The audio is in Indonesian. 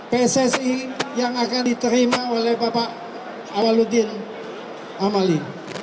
pssi yang akan diterima oleh bapak awaludin amali